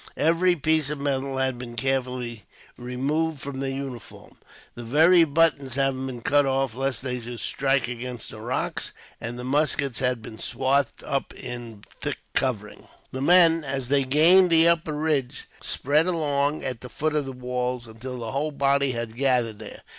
Every piece of metal had been carefully removed from their uniforms, the very buttons having been cut off, lest these should strike against the rocks; and the muskets had been swathed up in thick coverings. The men, as they gained the upper ridge, spread along at the foot of the walls, until the whole body had gathered there.